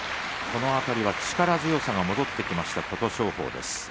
この辺りは力強さが戻ってきました琴勝峰です。